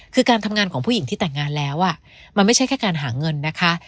คือการทำงานของผู้หญิงที่แต่งงานแล้วมันไม่ใช่แค่การหาเงินนะคะ